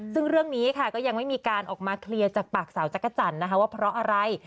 ซึ่งเรื่องนี้ค่ะก็ยังไม่มีการออกมาเคลียร์จากปากสาวจักรจันทร์นะคะว่าเพราะอะไร